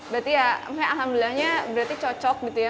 berarti ya alhamdulillahnya berarti cocok gitu ya